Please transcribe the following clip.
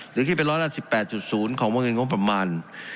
หรือคิดเป็นร้อยละ๑๘๐ของวงเงินงบประมาณ